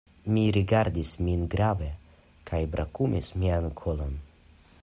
Li rigardis min grave kaj brakumis mian kolon.